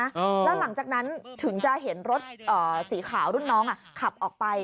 แล้วหลังจากนั้นถึงจะเห็นรถเอ่อสีขาวรุ่นน้องอ่ะขับออกไป